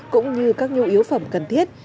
cũng như các nhu yếu phẩm cần thiết